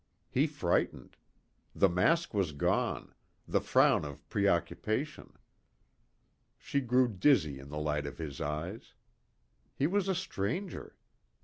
He frightened. The mask was gone, the frown of preoccupation. She grew dizzy in the light of his eyes. He was a stranger.